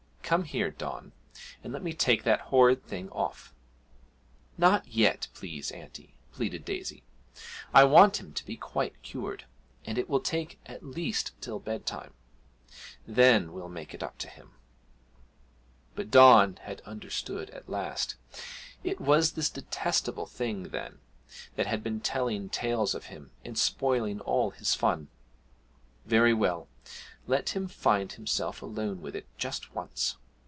Come here, Don, and let me take the horrid thing off.' 'Not yet, please, auntie!' pleaded Daisy, 'I want him to be quite cured, and it will take at least till bedtime. Then we'll make it up to him.' But Don had understood at last. It was this detestable thing, then, that had been telling tales of him and spoiling all his fun! Very well, let him find himself alone with it just once!